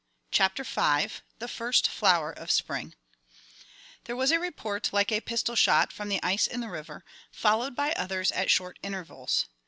CHAPTER V THE FIRST FLOWER OF SPRING There was a report like a pistol shot from the ice in the river, followed by others at short intervals.